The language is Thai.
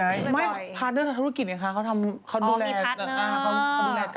พาดด้วยธุรกิจเนี่ยคะเขาดูแลการ